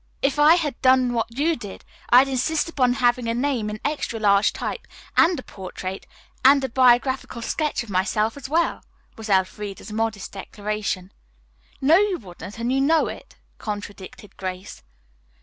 "If I had done what you did, I'd insist upon having my name in extra large type, and a portrait and biographical sketch of myself as well," was Elfreda's modest declaration. "No, you wouldn't, and you know it," contradicted Grace.